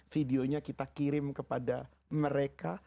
videonya kita kirim kepada mereka